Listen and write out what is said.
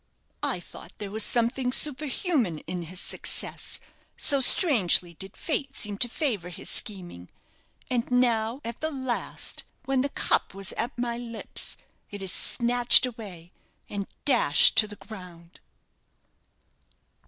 I thought there was something superhuman in his success, so strangely did fate seem to favour his scheming; and now, at the last when the cup was at my lips it is snatched away, and dashed to the ground!"